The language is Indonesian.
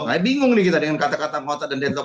saya bingung nih kita dengan kata kata kota dan deadlock